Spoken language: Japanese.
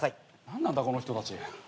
何なんだこの人たち。